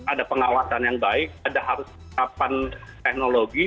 ada pengawasan yang baik ada penerapan teknologi